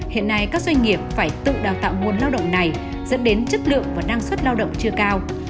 hiện nay các doanh nghiệp phải tự đào tạo nguồn lao động này dẫn đến chất lượng và năng suất lao động chưa cao